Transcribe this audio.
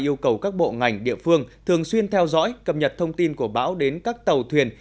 yêu cầu các bộ ngành địa phương thường xuyên theo dõi cập nhật thông tin của bão đến các tàu thuyền